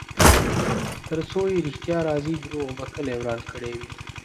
ترڅو چې ریښتیا راځي، دروغو به کلی وران کړی وي.